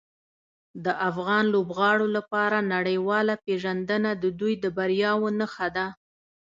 د افغان لوبغاړو لپاره نړیواله پیژندنه د دوی د بریاوو نښه ده.